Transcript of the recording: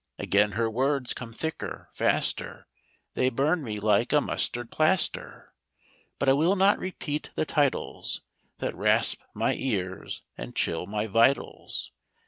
Again her words come thicker, faster, They burn me like a mustard plaster. But I will not repeat the titles That rasp my ears and chill my vitals.